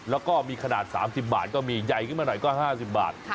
แล้วก็มีขนาดสามสิบบาทก็มีใหญ่ขึ้นมาหน่อยก็ห้าสิบบาท